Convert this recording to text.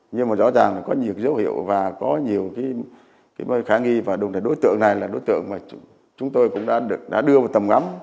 nhưng mà rõ ràng là có nhiều dấu hiệu và có nhiều cái khả nghi và đối tượng này là đối tượng mà chúng tôi cũng đã đưa vào tầm ngắm